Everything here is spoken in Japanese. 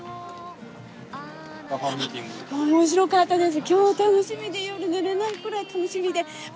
もう面白かったです。